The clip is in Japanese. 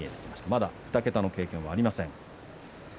まだ２桁の経験はありません。